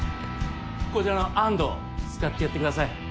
こちらの安藤使ってやってください。